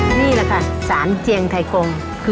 นี่แหละค่ะสารเจียงไทยกง